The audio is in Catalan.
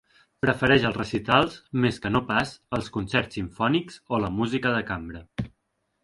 Prefereix els recitals més que no pas els concerts simfònics o la música de cambra.